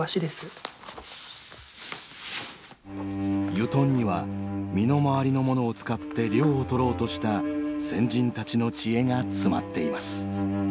油団には身の回りのものを使って涼をとろうとした先人たちの知恵が詰まっています。